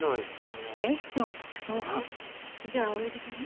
ええ？じゃあ青柳さんに。